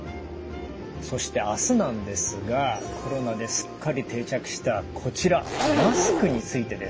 そして明日なんですがコロナですっかり定着したこちらマスクについてです。